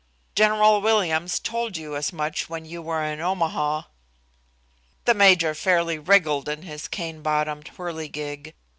General Williams told you as much when you were in Omaha." The major fairly wriggled in his cane bottomed whirligig.